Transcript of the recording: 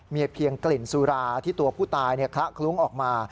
มีเพียงกลิ่นสุราที่ตัวผู้ตายคละคลุ้งออกมา